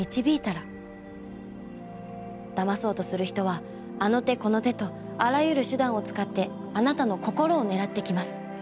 ダマそうとする人はあの手この手とあらゆる手段を使ってあなたの心を狙ってきます。